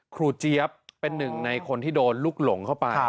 ครูเจ๊ยัพพ์เป็นหนึ่งคนที่โดนลูกหลงเข้าไป